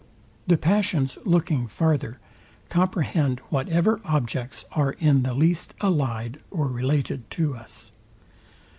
The passions looking farther, comprehend whatever objects are in the least allyed or related to us.